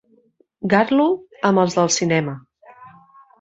Garlo amb els del cinema.